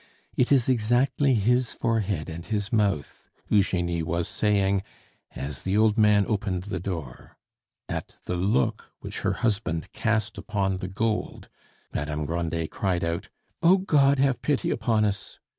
"It is exactly his forehead and his mouth," Eugenie was saying as the old man opened the door. At the look which her husband cast upon the gold, Madame Grandet cried out, "O God, have pity upon us!"